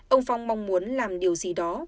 ông phong mong muốn làm điều gì đó